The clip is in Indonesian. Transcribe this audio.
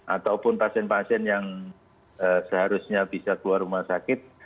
ataupun pasien pasien yang seharusnya bisa keluar rumah sakit